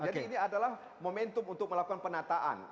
jadi ini adalah momentum untuk melakukan penataan